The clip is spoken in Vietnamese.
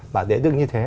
và để được như thế